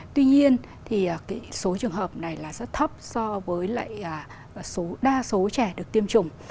tuy nhiên thì số trường hợp này là rất thấp so với đa số trẻ được tiêm chủng